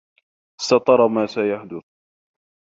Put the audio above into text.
سترى ما سيحدث.